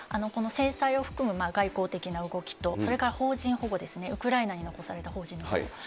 この制裁を含む外交的な動きと、それから邦人保護ですね、ウクライナに残された邦人の保護。